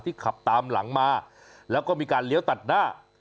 ขับตามหลังมาแล้วก็มีการเลี้ยวตัดหน้า